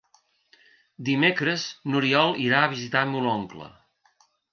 Dimecres n'Oriol irà a visitar mon oncle.